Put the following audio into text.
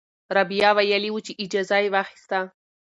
رابعه ویلي وو چې اجازه یې واخیسته.